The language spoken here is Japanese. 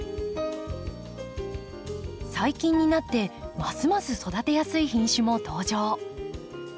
最近になってますます育てやすい品種も登場。